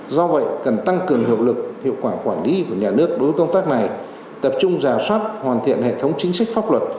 do vậy cần tăng cường hiệu lực hiệu quả quản lý của nhà nước đối với công tác này tập trung giả soát hoàn thiện hệ thống chính sách pháp luật